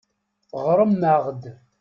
Ɣṛem-aɣ-d.